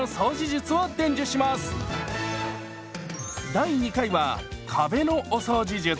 第２回は壁のお掃除術。